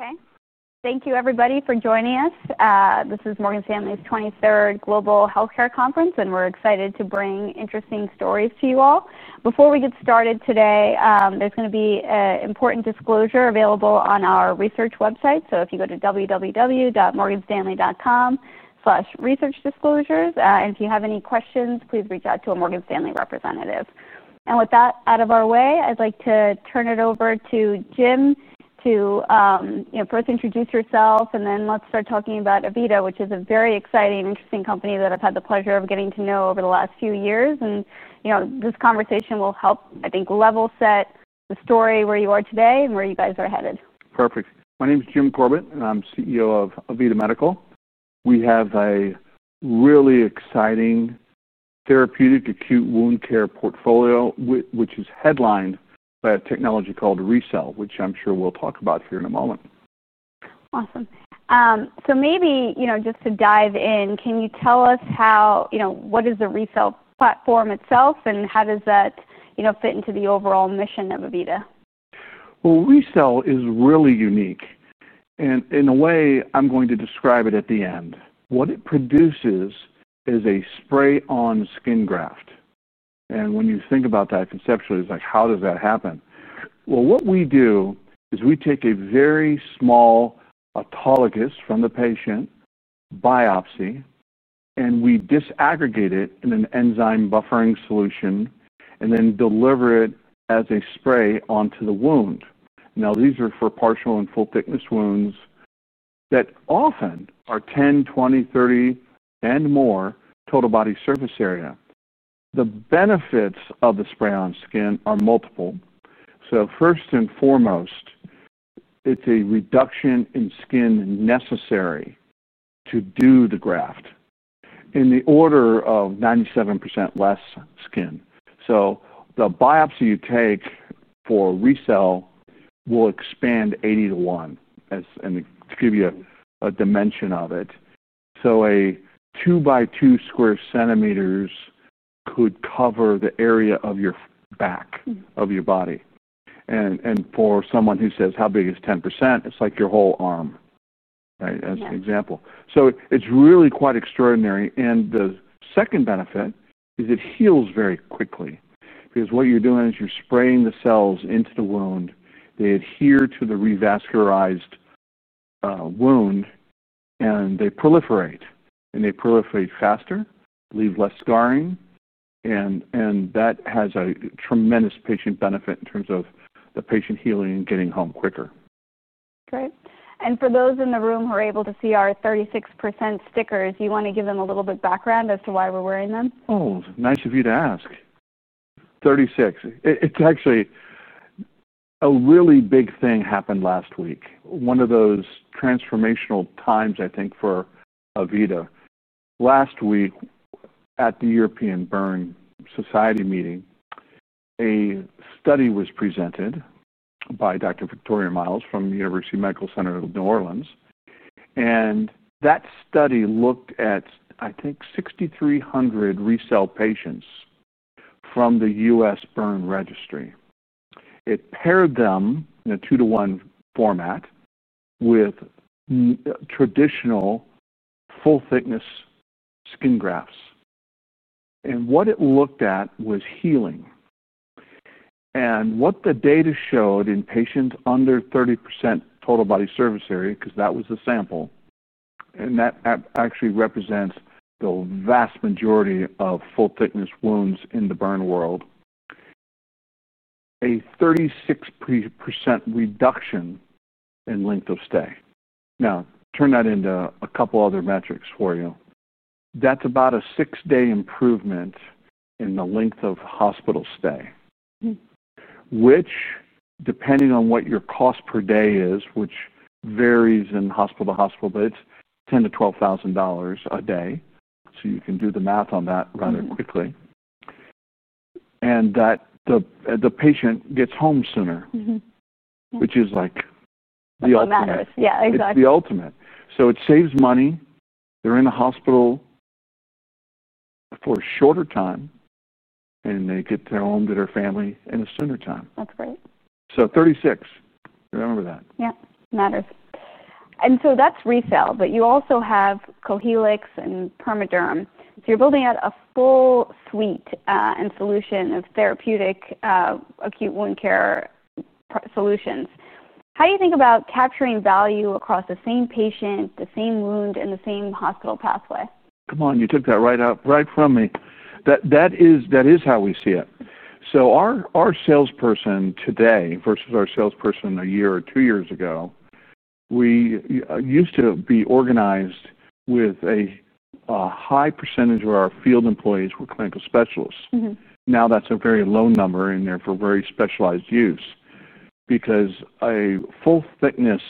Okay. Thank you, everybody, for joining us. This is Morgan Stanley's 23rd Global Healthcare Conference, and we're excited to bring interesting stories to you all. Before we get started today, there's going to be an important disclosure available on our research website. If you go to www.morganstanley.com/researchdisclosures, and if you have any questions, please reach out to a Morgan Stanley representative. With that out of our way, I'd like to turn it over to Jim to first introduce yourself, and then let's start talking about AVITA Medical, which is a very exciting, interesting company that I've had the pleasure of getting to know over the last few years. This conversation will help, I think, level set the story where you are today and where you guys are headed. Perfect. My name is Jim Corbett, and I'm CEO of AVITA Medical. We have a really exciting therapeutic acute wound care portfolio, which is headlined by a technology called RECELL, which I'm sure we'll talk about here in a moment. Awesome. Maybe, just to dive in, can you tell us how, you know, what is the RECELL platform itself, and how does that, you know, fit into the overall mission of AVITA Medical? RECELL is really unique. In a way, I'm going to describe it at the end. What it produces is a spray-on skin graft. When you think about that conceptually, it's like, how does that happen? What we do is we take a very small autologous from the patient, a biopsy, and we disaggregate it in an enzyme buffering solution and then deliver it as a spray onto the wound. These are for partial and full-thickness wounds that often are 10%, 20%, 30%, and more total body surface area. The benefits of the spray-on skin are multiple. First and foremost, it's a reduction in skin necessary to do the graft in the order of 97% less skin. The biopsy you take for RECELL will expand 80 to 1, and to give you a dimension of it, a 2 by 2 square centimeters could cover the area of your back of your body. For someone who says, how big is 10%? It's like your whole arm, right, as an example. It's really quite extraordinary. The second benefit is it heals very quickly because what you're doing is you're spraying the cells into the wound. They adhere to the revascularized wound, and they proliferate. They proliferate faster, leave less scarring, and that has a tremendous patient benefit in terms of the patient healing and getting home quicker. Okay. For those in the room who are able to see our 36% stickers, you want to give them a little bit of background as to why we're wearing them? Oh, nice of you to ask. 36. It's actually a really big thing happened last week. One of those transformational times, I think, for AVITA Medical. Last week at the European Burn Association meeting, a study was presented by Dr. Victoria Miles from the University Medical Center of New Orleans. That study looked at, I think, 6,300 RECELL patients from the U.S. Burn Registry. It paired them in a two-to-one format with traditional full-thickness skin grafts. What it looked at was healing. What the data showed in patients under 30% total body surface area, because that was the sample, and that actually represents the vast majority of full-thickness wounds in the burn world, a 36% reduction in length of stay. Now, turn that into a couple other metrics for you. That's about a six-day improvement in the length of hospital stay, which, depending on what your cost per day is, which varies hospital to hospital, but it's $10,000 to $12,000 a day. You can do the math on that rather quickly. The patient gets home sooner, which is like the ultimate. It matters. Yeah, exactly. It's the ultimate. It saves money, they're in the hospital for a shorter time, and they get home to their family in a sooner time. That's great. Remember that. Thirty-six. Yeah. Matters. That's RECELL, but you also have Cohealyx and PermeaDerm. You're building out a full suite and solution of therapeutic acute wound care solutions. How do you think about capturing value across the same patient, the same wound, and the same hospital pathway? Come on. You took that right up right from me. That is how we see it. Our salesperson today versus our salesperson a year or two years ago, we used to be organized with a high % of our field employees as clinical specialists. Now that's a very low number in there for very specialized use because a full-thickness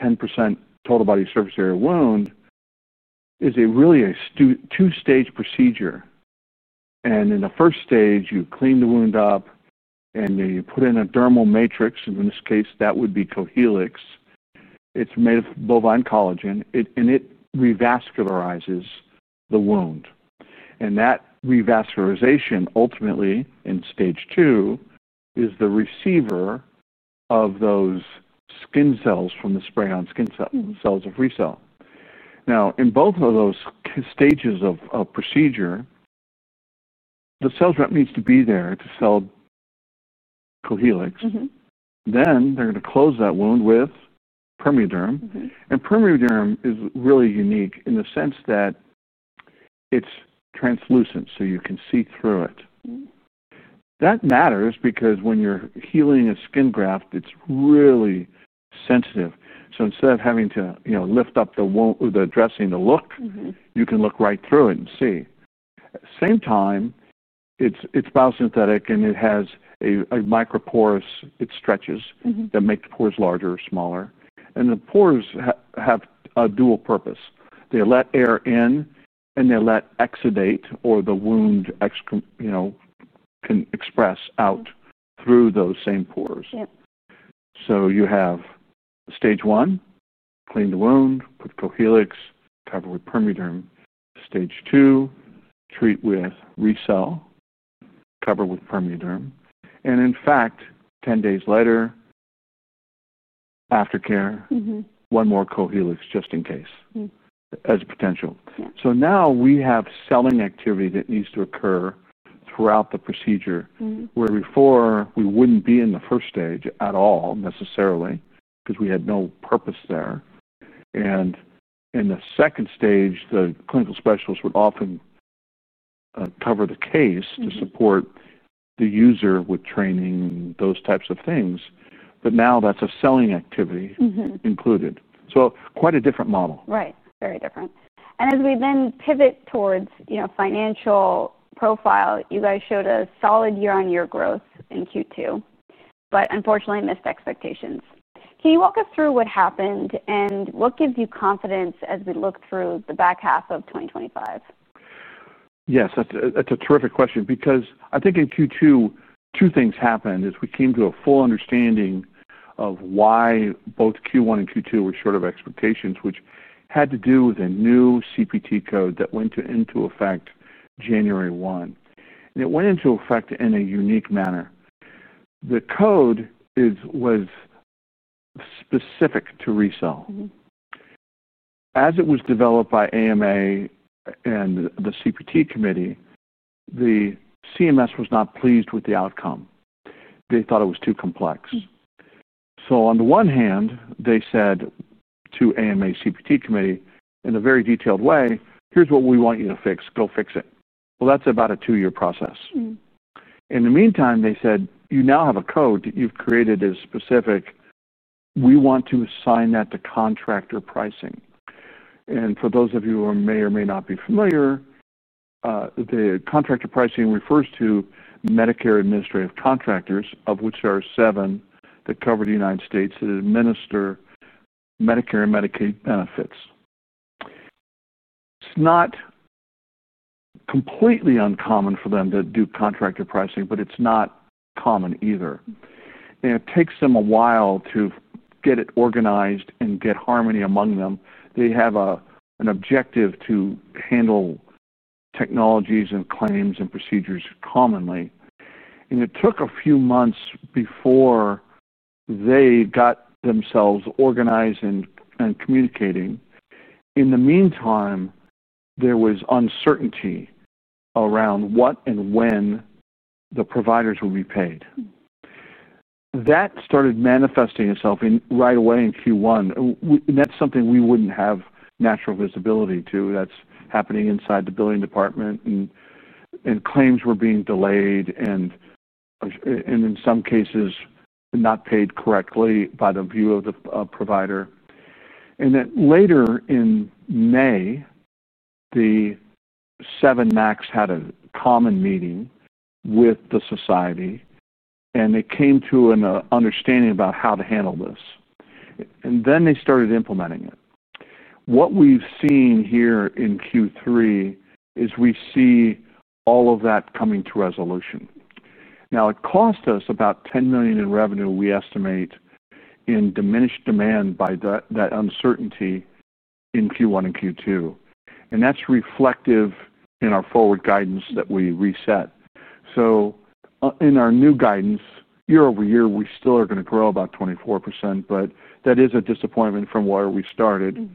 10% total body surface area wound is really a two-stage procedure. In the first stage, you clean the wound up, and you put in a dermal matrix. In this case, that would be Cohealyx. It's made of bovine collagen, and it revascularizes the wound. That revascularization, ultimately, in stage two, is the receiver of those skin cells from the spray-on skin cells of RECELL. In both of those stages of procedure, the sales rep needs to be there to sell Cohealyx. They're going to close that wound with PermeaDerm. PermeaDerm is really unique in the sense that it's translucent, so you can see through it. That matters because when you're healing a skin graft, it's really sensitive. Instead of having to lift up the dressing to look, you can look right through it and see. At the same time, it's biosynthetic, and it has a micropore. It stretches that makes pores larger or smaller. The pores have a dual purpose. They let air in, and they let exudate or the wound, you know, can express out through those same pores. You have stage one, clean the wound, put Cohealyx, cover with PermeaDerm. Stage two, treat with RECELL, cover with PermeaDerm. In fact, 10 days later, aftercare, one more Cohealyx just in case as a potential. Now we have selling activity that needs to occur throughout the procedure, where before we wouldn't be in the first stage at all necessarily because we had no purpose there. In the second stage, the clinical specialists would often cover the case to support the user with training and those types of things. Now that's a selling activity included. Quite a different model. Right. Very different. As we then pivot towards, you know, financial profile, you guys showed a solid year-on-year growth in Q2, but unfortunately missed expectations. Can you walk us through what happened and what gives you confidence as we look through the back half of 2025? Yes. That's a terrific question because I think in Q2, two things happened as we came to a full understanding of why both Q1 and Q2 were short of expectations, which had to do with a new CPT code that went into effect January 1. It went into effect in a unique manner. The code was specific to RECELL. As it was developed by AMA and the CPT committee, the CMS was not pleased with the outcome. They thought it was too complex. On the one hand, they said to AMA CPT committee in a very detailed way, "Here's what we want you to fix. Go fix it." That's about a two-year process. In the meantime, they said, "You now have a code that you've created as specific. We want to assign that to contractor pricing." For those of you who may or may not be familiar, the contractor pricing refers to Medicare Administrative Contractors, of which there are seven that cover the United States that administer Medicare and Medicaid benefits. It's not completely uncommon for them to do contractor pricing, but it's not common either. It takes them a while to get it organized and get harmony among them. They have an objective to handle technologies and claims and procedures commonly. It took a few months before they got themselves organized and communicating. In the meantime, there was uncertainty around what and when the providers would be paid. That started manifesting itself right away in Q1. That's something we wouldn't have natural visibility to. That's happening inside the billing department, and claims were being delayed and, in some cases, not paid correctly by the view of the provider. Later in May, the seven MACs had a common meeting with the society, and they came to an understanding about how to handle this. They started implementing it. What we've seen here in Q3 is we see all of that coming to resolution. It cost us about $10 million in revenue, we estimate, in diminished demand by that uncertainty in Q1 and Q2. That's reflective in our forward guidance that we reset. In our new guidance, year over year, we still are going to grow about 24%, but that is a disappointment from where we started.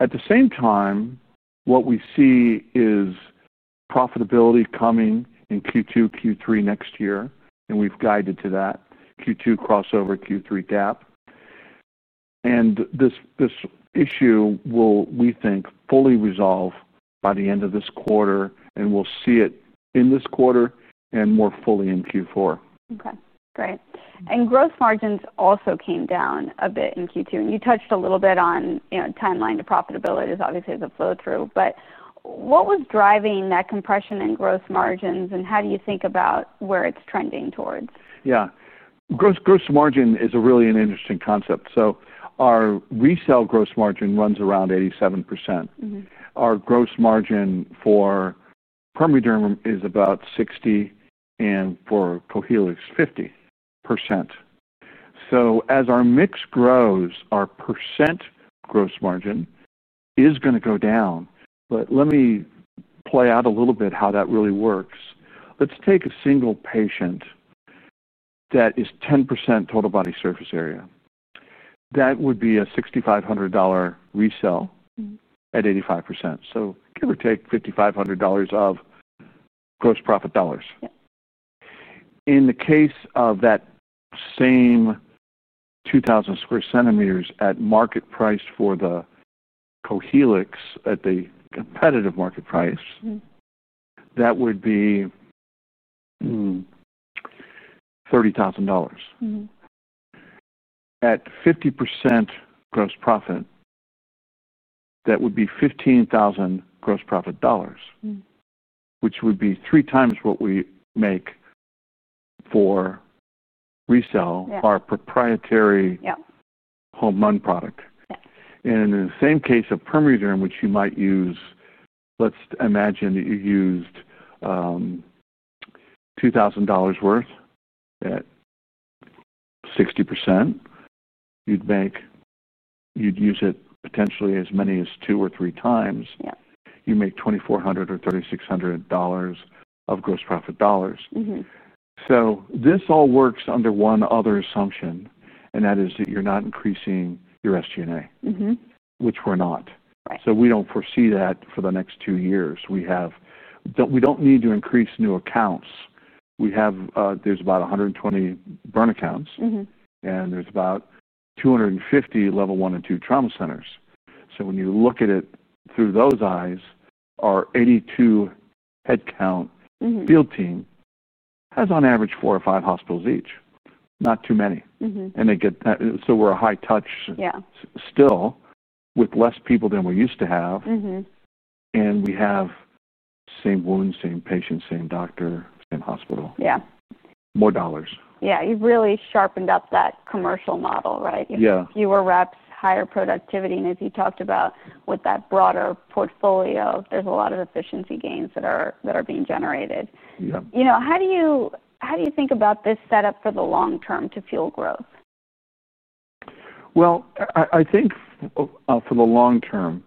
At the same time, what we see is profitability coming in Q2, Q3 next year, and we've guided to that Q2 crossover Q3 gap. This issue will, we think, fully resolve by the end of this quarter, and we'll see it in this quarter and more fully in Q4. Okay. Great. Gross margins also came down a bit in Q2. You touched a little bit on, you know, timeline to profitability is obviously the flow-through. What was driving that compression in gross margins, and how do you think about where it's trending toward? Yeah. Gross margin is really an interesting concept. Our RECELL gross margin runs around 87%. Our gross margin for PermeaDerm is about 60%, and for Cohealyx, 50%. As our mix grows, our % gross margin is going to go down. Let me play out a little bit how that really works. Let's take a single patient that is 10% total body surface area. That would be a $6,500 RECELL at 85%. Give or take, $5,500 of gross profit dollars. In the case of that same 2,000 square centimeters at market price for the Cohealyx at the competitive market price, that would be $30,000 at 50% gross profit. That would be $15,000 gross profit dollars, which would be three times what we make for RECELL, our proprietary home run product. In the same case of PermeaDerm, which you might use, let's imagine that you used $2,000 worth at 60%. You'd use it potentially as many as two or three times. You make $2,400 or $3,600 of gross profit dollars. This all works under one other assumption, and that is that you're not increasing your SG&A, which we're not. We don't foresee that for the next two years. We don't need to increase new accounts. There's about 120 burn accounts, and there's about 250 level one and two trauma centers. When you look at it through those eyes, our 82 headcount field team has on average four or five hospitals each, not too many. They get that. We're a high touch, still with less people than we used to have. We have the same wounds, same patients, same doctor, same hospital. More dollars. Yeah. You've really sharpened up that commercial model, right? Fewer reps, higher productivity. As you talked about with that broader portfolio, there's a lot of efficiency gains that are being generated. How do you think about this setup for the long term to fuel growth? I think for the long term,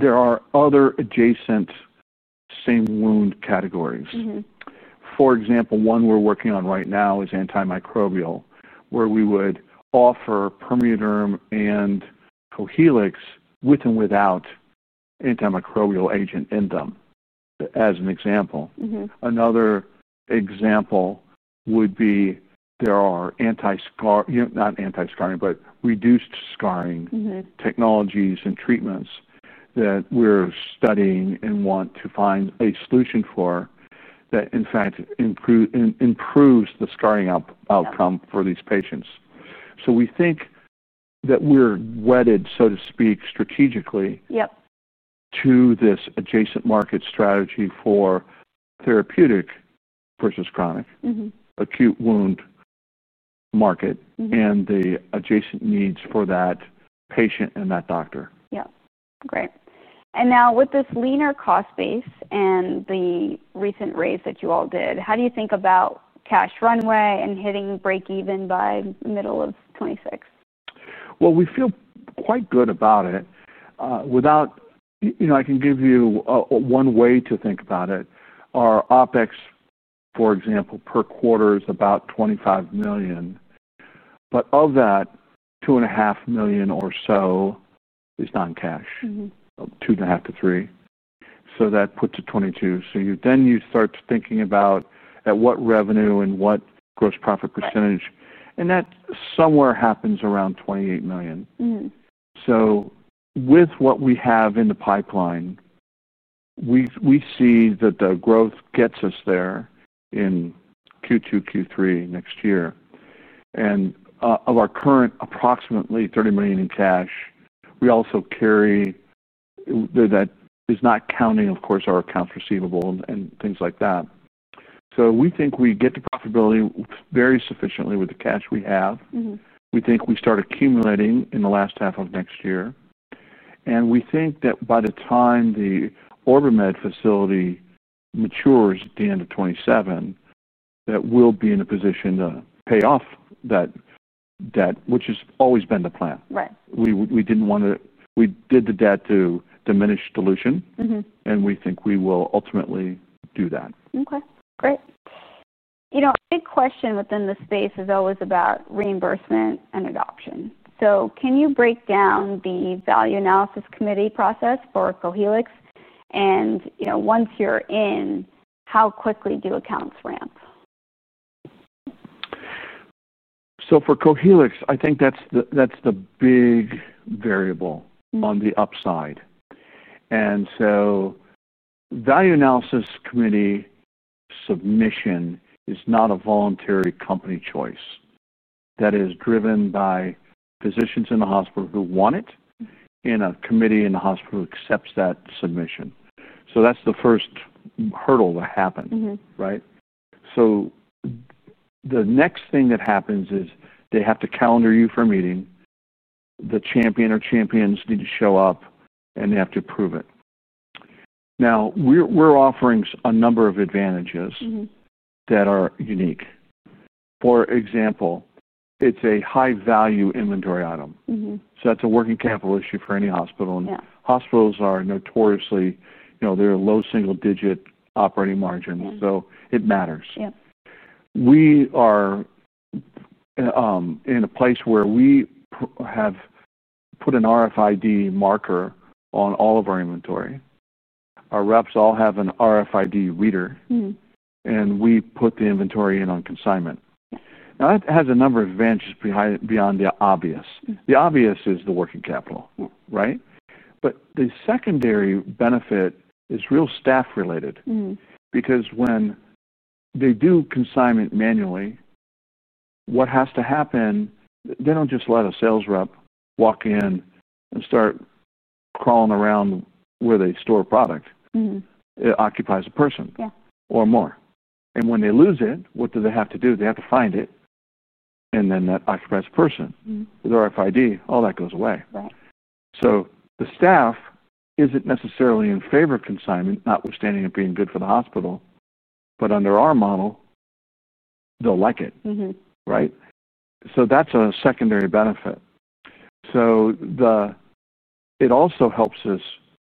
there are other adjacent same wound categories. For example, one we're working on right now is antimicrobial, where we would offer PermeaDerm and Cohealyx with and without antimicrobial agent in them, as an example. Another example would be there are anti-scarring, not anti-scarring, but reduced scarring technologies and treatments that we're studying and want to find a solution for that, in fact, improves the scarring outcome for these patients. We think that we're wedded, so to speak, strategically, to this adjacent market strategy for therapeutic versus chronic acute wound market and the adjacent needs for that patient and that doctor. Yes. Great. Now, with this leaner cost base and the recent raise that you all did, how do you think about cash runway and hitting break even by the middle of 2026? We feel quite good about it. I can give you one way to think about it. Our OpEx, for example, per quarter is about $25 million. Of that, $2.5 million or so is non-cash, $2.5 to $3 million. That puts it at $22 million. You start thinking about at what revenue and what gross profit percentage, and that somewhere happens around $28 million. With what we have in the pipeline, we see that the growth gets us there in Q2, Q3 next year. Of our current approximately $30 million in cash, we also carry that is not counting, of course, our accounts receivable and things like that. We think we get to profitability very sufficiently with the cash we have. We think we start accumulating in the last half of next year. We think that by the time the Orbimed facility matures at the end of 2027, we'll be in a position to pay off that debt, which has always been the plan. We didn't want to, we did the debt to diminish dilution. We think we will ultimately do that. Okay. Great. You know, a big question within the space is always about reimbursement and adoption. Can you break down the value analysis committee process for Cohealyx? You know, once you're in, how quickly do accounts ramp? For Cohealyx, I think that's the big variable on the upside. Value analysis committee submission is not a voluntary company choice. That is driven by physicians in the hospital who want it and a committee in the hospital who accepts that submission. That's the first hurdle that happens, right? The next thing that happens is they have to calendar you for a meeting. The champion or champions need to show up, and they have to prove it. Now, we're offering a number of advantages that are unique. For example, it's a high-value inventory item. That's a working capital issue for any hospital. Hospitals are notoriously, you know, they're low single-digit operating margins. It matters. We are in a place where we have put an RFID marker on all of our inventory. Our reps all have an RFID reader, and we put the inventory in on consignment. That has a number of advantages beyond the obvious. The obvious is the working capital, right? The secondary benefit is real staff-related. Because when they do consignment manually, what has to happen? They don't just let a sales rep walk in and start crawling around where they store product. It occupies a person, yeah, or more. When they lose it, what do they have to do? They have to find it. Then that occupies a person. The RFID, all that goes away. The staff isn't necessarily in favor of consignment, notwithstanding it being good for the hospital, but under our model, they'll like it. That's a secondary benefit. It also helps us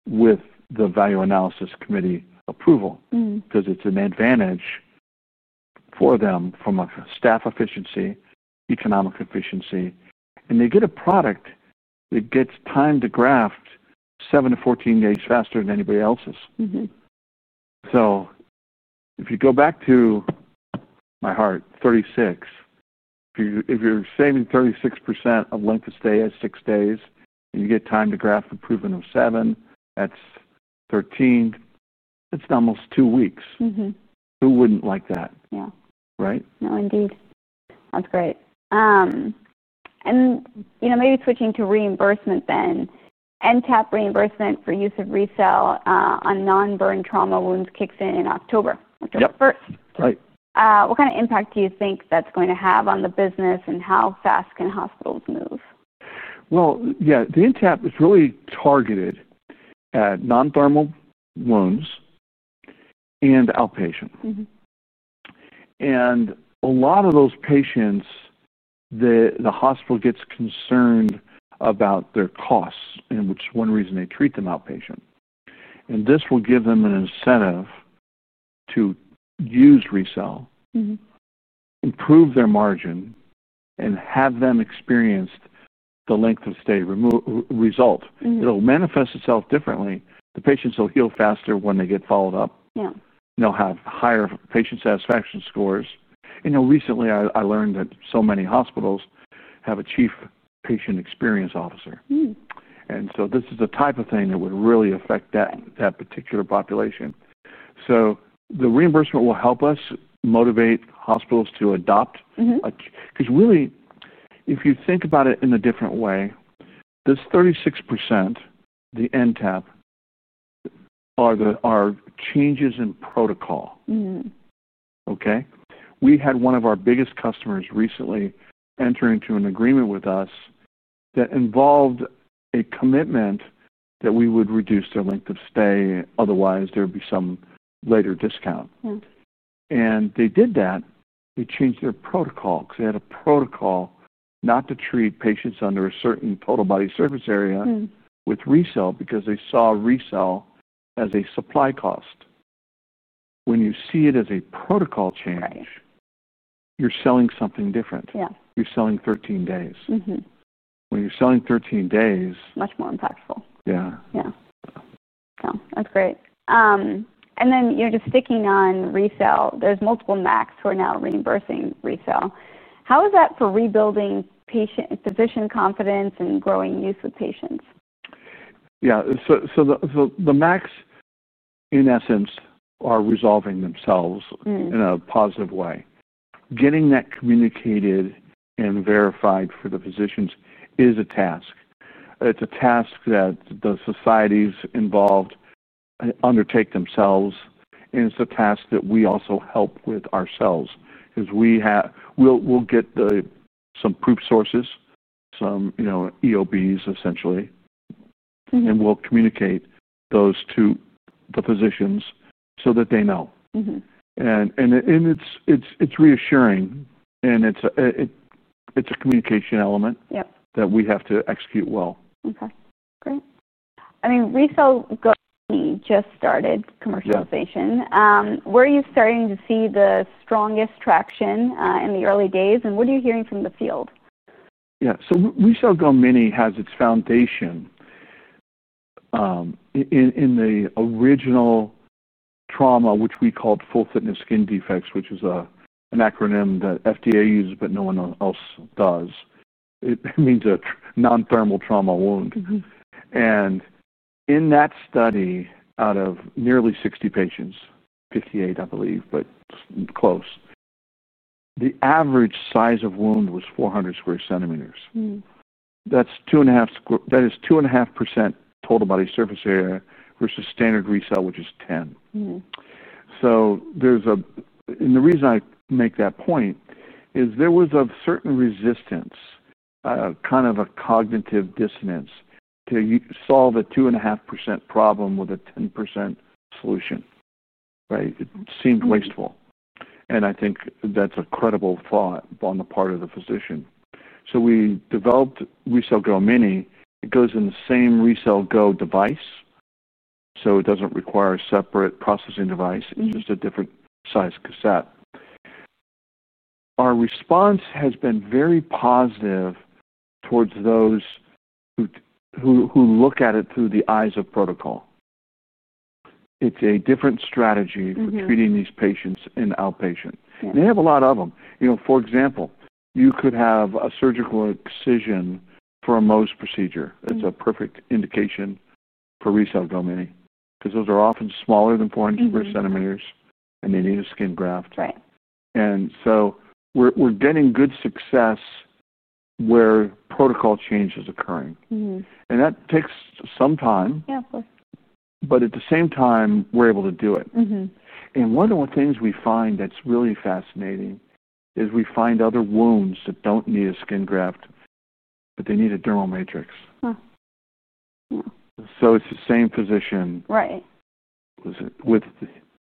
with the value analysis committee approval because it's an advantage for them from a staff efficiency, economic efficiency. They get a product that gets time to graft 7 to 14 days faster than anybody else's. If you go back to my heart, 36, if you're saving 36% of length of stay at six days, and you get time to graft improvement of 7, that's 13, it's almost two weeks. Who wouldn't like that? Yeah, right? No, indeed. That's great. You know, maybe switching to reimbursement then. NCAP reimbursement for use of RECELL on non-burn trauma wounds kicks in in October, October 1st. What kind of impact do you think that's going to have on the business and how fast can hospitals move? The NCAP is really targeted at non-thermal wounds and outpatient. A lot of those patients, the hospital gets concerned about their costs, which is one reason they treat them outpatient. This will give them an incentive to use RECELL, improve their margin, and have them experience the length of stay result. It'll manifest itself differently. The patients will heal faster when they get followed up. They'll have higher patient satisfaction scores. Recently, I learned that so many hospitals have a Chief Patient Experience Officer. This is the type of thing that would really affect that particular population. The reimbursement will help us motivate hospitals to adopt, because really, if you think about it in a different way, this 36%, the NCAP, are the changes in protocol. We had one of our biggest customers recently enter into an agreement with us that involved a commitment that we would reduce their length of stay. Otherwise, there would be some later discount. They did that. They changed their protocol because they had a protocol not to treat patients under a certain total body surface area with RECELL because they saw RECELL as a supply cost. When you see it as a protocol change, you're selling something different. You're selling 13 days. When you're selling 13 days. Much more impactful. Yeah. Yeah. Yeah. That's great. You know, just sticking on RECELL, there's multiple MACs who are now reimbursing RECELL. How is that for rebuilding patient physician confidence and growing use with patients? Yeah. The MACs, in essence, are resolving themselves in a positive way. Getting that communicated and verified for the physicians is a task. It's a task that the societies involved undertake themselves. It's a task that we also help with ourselves because we have, we'll get some proof sources, some EOBs, essentially. We'll communicate those to the physicians so that they know. It's reassuring, and it's a communication element that we have to execute well. Okay. Great. I mean, RECELL GO mini just started commercialization. Where are you starting to see the strongest traction in the early days, and what are you hearing from the field? Yeah. So RECELL GO mini has its foundation in the original trauma, which we called full-thickness skin defects, which is an acronym that FDA uses, but no one else does. It means a non-thermal trauma wound. In that study, out of nearly 60 patients, 58, I believe, but close, the average size of wound was 400 square centimeters. That is 2.5% total body surface area versus standard RECELL, which is 10%. There is a, and the reason I make that point is there was a certain resistance, a kind of a cognitive dissonance to solve a 2.5% problem with a 10% solution, right? It seemed wasteful. I think that's a credible thought on the part of the physician. We developed RECELL GO mini. It goes in the same RECELL GO device. It doesn't require a separate processing device. It's just a different size cassette. Our response has been very positive towards those who look at it through the eyes of protocol. It's a different strategy for treating these patients in outpatient. They have a lot of them. For example, you could have a surgical excision for a Mohs procedure. It's a perfect indication for RECELL GO mini because those are often smaller than 400 square centimeters, and they need a skin graft, right. We're getting good success where protocol change is occurring. That takes some time. Yeah, of course. At the same time, we're able to do it. One of the things we find that's really fascinating is we find other wounds that don't need a skin graft, but they need a dermal matrix. It's the same physician, right, with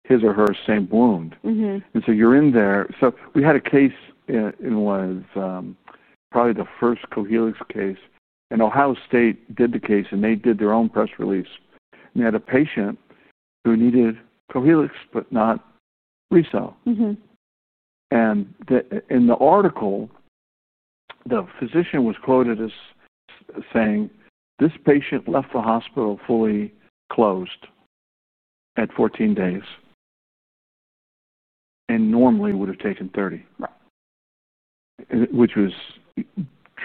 his or her same wound. You're in there. We had a case, and it was probably the first Cohealyx case. Ohio State did the case, and they did their own press release. They had a patient who needed Cohealyx, but not RECELL. In the article, the physician was quoted as saying, "This patient left the hospital fully closed at 14 days and normally would have taken 30," which was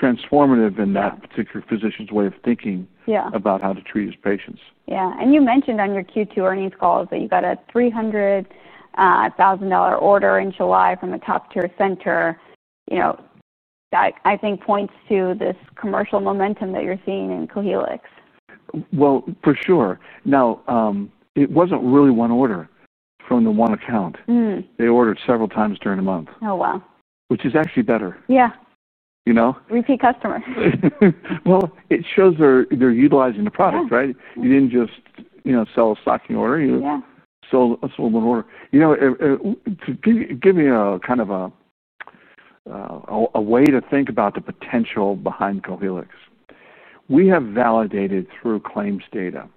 transformative in that particular physician's way of thinking about how to treat his patients. Yeah. You mentioned on your Q2 earnings calls that you got a $300,000 order in July from the top tier center. I think that points to this commercial momentum that you're seeing in Cohealyx. It wasn't really one order from the one account. They ordered several times during the month. Oh, wow. Which is actually better. Yeah, you know, repeat customer. It shows they're utilizing the product, right? You didn't just, you know, sell a stocking order. You sold an order. You know, to give you a kind of a way to think about the potential behind Cohealyx, we have validated through claims data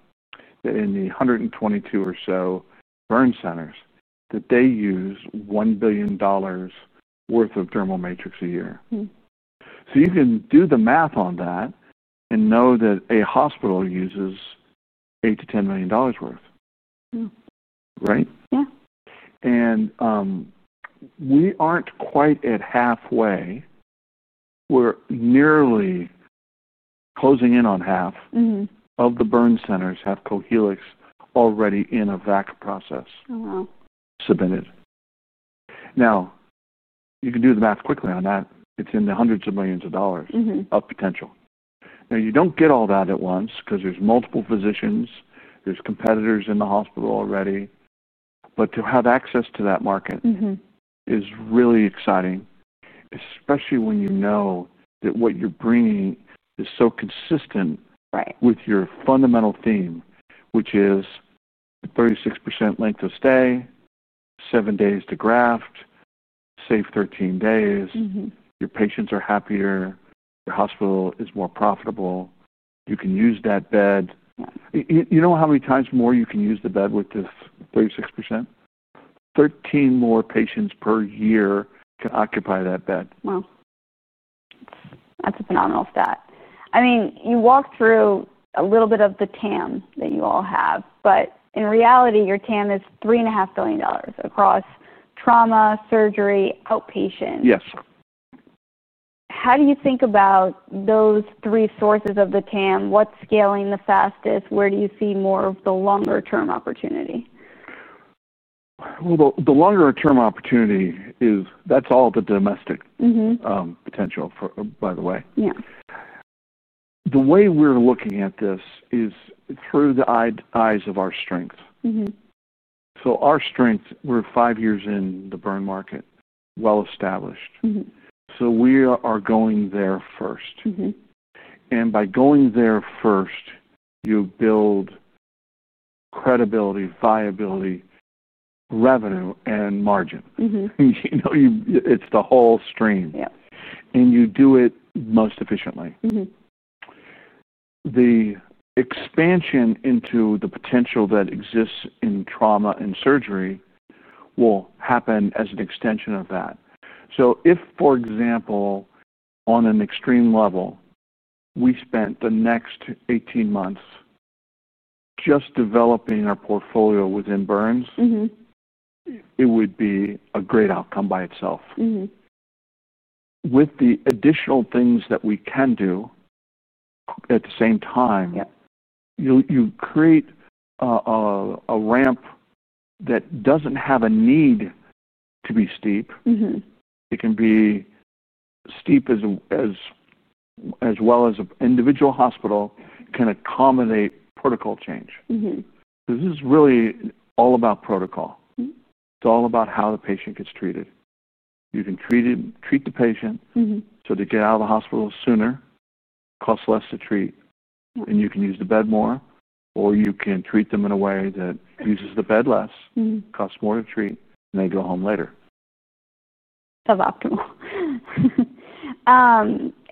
that in the 122 or so burn centers that they use $1 billion worth of thermal matrix a year. You can do the math on that and know that a hospital uses $8 to $10 million worth. Yeah, right? Yeah. We aren't quite at halfway. We're nearly closing in on half of the burn centers having Cohealyx already in a VAC process. Oh, wow. Submitted. Now, you can do the math quickly on that. It's in the hundreds of millions of dollars of potential. You don't get all that at once because there's multiple physicians. There's competitors in the hospital already. To have access to that market is really exciting, especially when you know that what you're bringing is so consistent with your fundamental theme, which is the 36% length of stay, seven days to graft, save 13 days. Your patients are happier. Your hospital is more profitable. You can use that bed. You know how many times more you can use the bed with this 36%? Thirteen more patients per year can occupy that bed. Wow. That's a phenomenal stat. I mean, you walked through a little bit of the TAM that you all have, but in reality, your TAM is $3.5 billion across trauma, surgery, outpatient. Yes. How do you think about those three sources of the total addressable market? What's scaling the fastest? Where do you see more of the longer-term opportunity? The longer-term opportunity is that's all the domestic potential, by the way. The way we're looking at this is through the eyes of our strength. Our strength, we're five years in the burn market, well-established. We are going there first. By going there first, you build credibility, viability, revenue, and margin. It's the whole stream, and you do it most efficiently. The expansion into the potential that exists in trauma and surgery will happen as an extension of that. For example, on an extreme level, if we spent the next 18 months just developing our portfolio within burns, it would be a great outcome by itself. With the additional things that we can do at the same time, you create a ramp that doesn't have a need to be steep. It can be steep as well as an individual hospital can accommodate protocol change, because this is really all about protocol. It's all about how the patient gets treated. You can treat the patient so they get out of the hospital sooner, costs less to treat, and you can use the bed more, or you can treat them in a way that uses the bed less, costs more to treat, and they go home later. Suboptimal.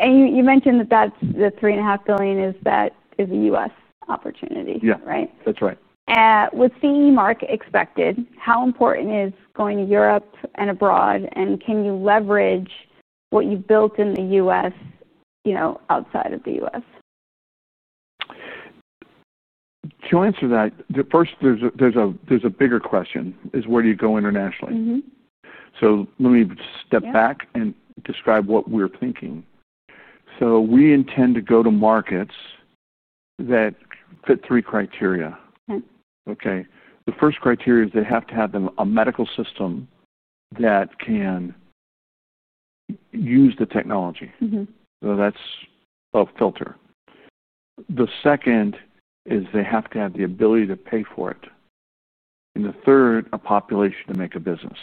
You mentioned that the $3.5 billion is a U.S. opportunity, right? Yeah, that's right. With the mark expected, how important is going to Europe and abroad, and can you leverage what you've built in the U.S., you know, outside of the U.S.? To answer that, first, there's a bigger question: where do you go internationally? Let me step back and describe what we're thinking. We intend to go to markets that fit three criteria. The first criteria is they have to have a medical system that can use the technology, so that's a filter. The second is they have to have the ability to pay for it. The third, a population to make a business.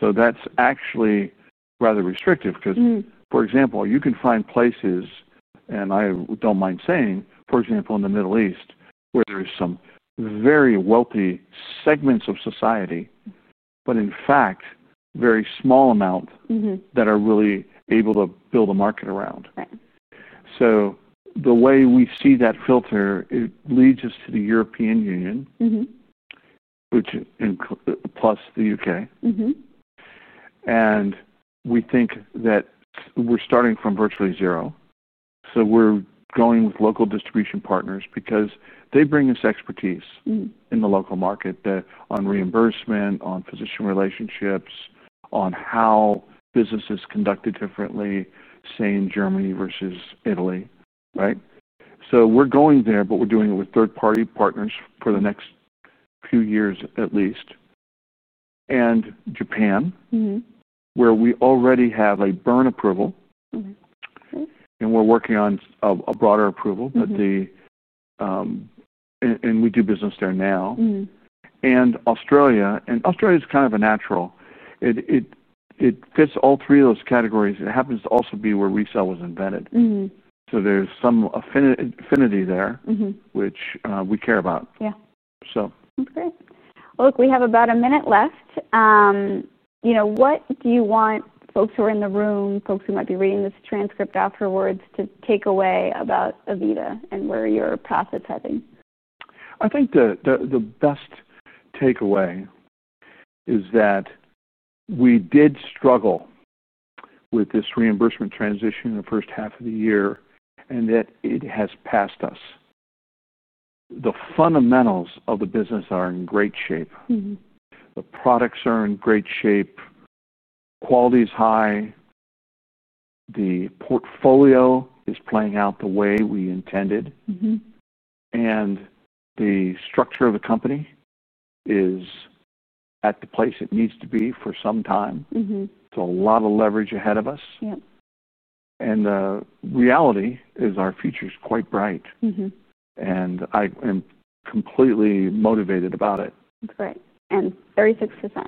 That's actually rather restrictive because, for example, you can find places, and I don't mind saying, for example, in the Middle East where there are some very wealthy segments of society, but in fact, very small amounts that are really able to build a market around. The way we see that filter, it leads us to the European Union, which is plus the United Kingdom. We think that we're starting from virtually zero. We're going with local distribution partners because they bring us expertise in the local market on reimbursement, on physician relationships, on how business is conducted differently, say in Germany versus Italy. We're going there, but we're doing it with third-party partners for the next few years, at least. Japan, where we already have a burn approval, and we're working on a broader approval, and we do business there now. Australia is kind of a natural. It fits all three of those categories. It happens to also be where RECELL was invented, so there's some affinity there, which we care about. Yeah. Great. Look, we have about a minute left. You know, what do you want folks who are in the room, folks who might be reading this transcript afterwards, to take away about AVITA and where you're profitizing? I think the best takeaway is that we did struggle with this reimbursement transition in the first half of the year, and that it has passed us. The fundamentals of the business are in great shape. The products are in great shape. The quality is high. The portfolio is playing out the way we intended. The structure of the company is at the place it needs to be for some time. A lot of leverage ahead of us. The reality is our future is quite bright. I am completely motivated about it. That's great. 36%.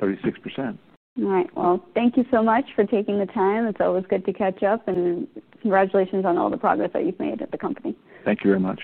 36%. All right. Thank you so much for taking the time. It's always good to catch up. Congratulations on all the progress that you've made at the company. Thank you very much.